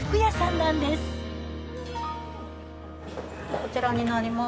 こちらになります。